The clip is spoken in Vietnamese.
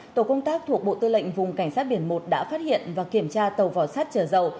tổ công tác thuộc bộ tư lệnh vùng cảnh sát biển một đã phát hiện và kiểm tra tàu vỏ sát trở dầu